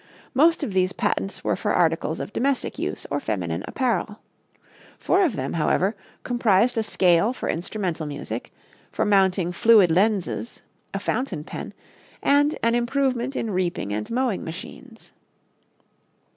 Most of these patents were for articles of domestic use or feminine apparel. Four of them, however, comprised a scale for instrumental music, for mounting fluid lenses, a fountain pen and an improvement in reaping and mowing machines.